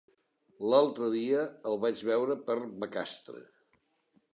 L'altre dia el vaig veure per Macastre.